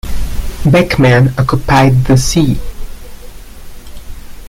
Beckman occupied the See.